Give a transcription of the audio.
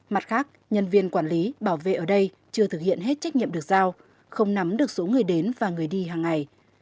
mặt khác nhân viên quản lý bảo vệ ở đây chưa thực hiện hết trách nhiệm được giao không nắm được số người đến và người đi hàng ngày